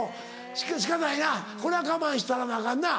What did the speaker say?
仕方ないなこれは我慢したらなアカンな。